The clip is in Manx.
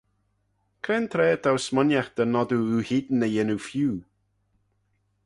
Cre'n traa t'ou smooniaght dy nod oo oohene y yannoo feeu?